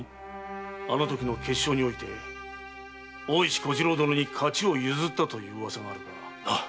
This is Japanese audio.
あのときの決勝において大石小次郎殿に勝ちを譲ったという噂があるが。